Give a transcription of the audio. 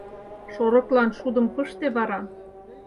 Шорыклан шудым пыште вара.